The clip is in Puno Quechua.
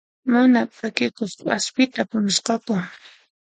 Mana p'akikuq k'aspita apamusqaku.